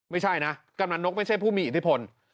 ไม่ใช่นะกำนันนกไม่ใช่ผู้มีอิทธิพล